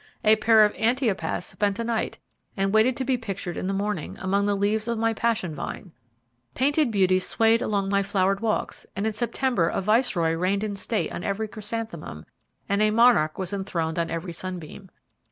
A pair of Antiopas spent a night, and waited to be pictured in the morning, among the leaves of my passion vine. Painted Beauties swayed along my flowered walks, and in September a Viceroy reigned in state on every chrysanthemum, and a Monarch was enthroned on every sunbeam.